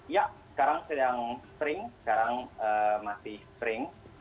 ya sekarang sedang spring sekarang masih spring